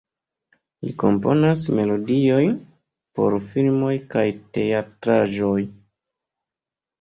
Li komponas melodiojn por filmoj kaj teatraĵoj.